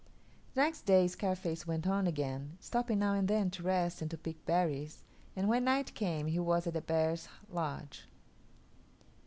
The next day Scarface went on again, stopping now and then to rest and to pick berries, and when night came he was at the bear's lodge.